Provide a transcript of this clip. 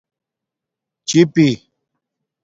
چپئ